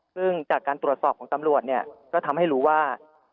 ซึ่งจากการตรวจสอบของตำรวจเนี่ยก็ทำให้รู้ว่า